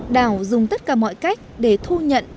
đảo dùng tất cả mọi cách để thu nhận